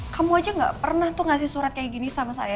kamu aja gak pernah tuh ngasih surat kayak gini sama saya